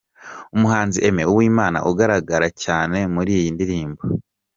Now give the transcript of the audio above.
Umuhanzi Aime Uwimana ugaragara cyane muri iyi ndirimbo.